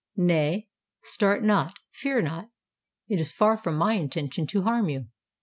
Nay—start not—fear not: it is far from my intention to harm you.